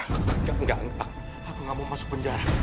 enggak enggak enggak aku gak mau masuk penjara